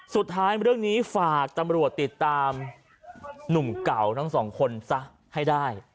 เรื่องนี้ฝากตำรวจติดตามหนุ่มเก่าทั้งสองคนซะให้ได้